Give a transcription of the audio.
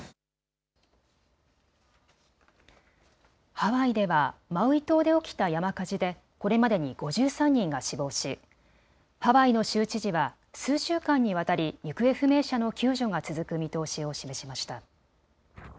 ハワイではマウイ島で起きた山火事でこれまでに５３人が死亡しハワイの州知事は数週間にわたり行方不明者の救助が続く見通しを示しました。